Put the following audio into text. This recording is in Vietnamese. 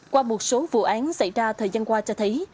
qua một số vụ án xảy ra thời gian qua cho thấy